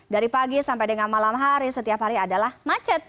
dari pagi sampai dengan malam hari setiap hari adalah macet